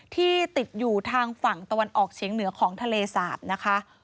ที่ติดอยู่ทางฝั่งตะวันออกเฉียงเหนือของทะเลสาบนะคะ